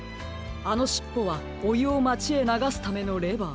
あのしっぽはおゆをまちへながすためのレバー。